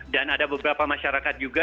dan ada beberapa masyarakat juga